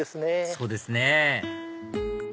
そうですね